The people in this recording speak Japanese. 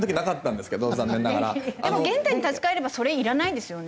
でも現代に立ち返ればそれいらないですよね